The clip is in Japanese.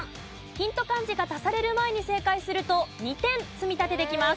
ヒント漢字が足される前に正解すると２点積み立てできます。